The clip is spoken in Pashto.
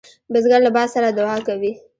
بزګر له باد سره دعا کوي